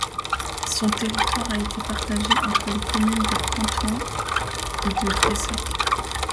Son territoire a été partagé entre les communes de Cantoin et de Graissac.